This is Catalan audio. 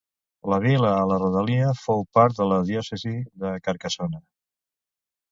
La vila a la rodalia fou part de la diòcesi de Carcassona.